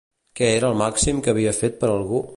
Què era el màxim que havia fet per algú?